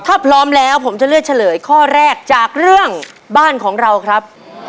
ถ้าพร้อมแล้วผมจะเลือกเฉลยข้อแรกจากเรื่องบ้านของเราครับ